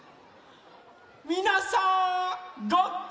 みなさんごっき？